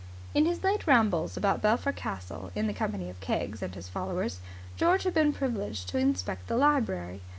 In his late rambles about Belpher Castle in the company of Keggs and his followers, George had been privileged to inspect the library.